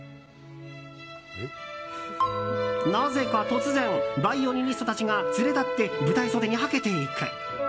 なぜか突然バイオリニストたちが連れ立って舞台袖にはけていく。